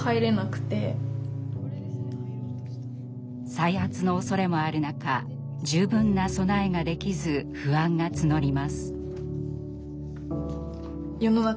再発のおそれもある中十分な備えができず不安が募ります。